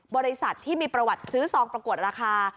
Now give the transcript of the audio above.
บริษัทที่มีประวัติซื้อซองประกวดราคา